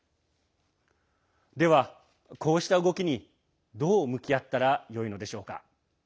では、こうした動きにどう向き合ったらよいのでしょうか。